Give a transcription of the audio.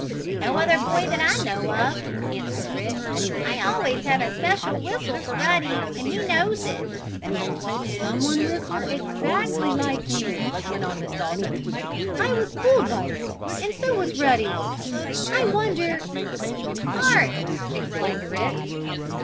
"No other boy that I know of," answered Rick. "I always have a special whistle for Ruddy, and he knows it." "Someone whistled exactly like you," went on Mrs. Dalton. "I was fooled by it, and so was Ruddy. I wonder " "Hark!" exclaimed Rick.